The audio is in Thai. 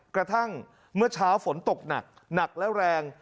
กระทั่งเมื่อเช้าฝนตกหนักหนักและแรง